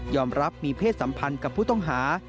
รับมีเพศสัมพันธ์กับผู้ต้องหา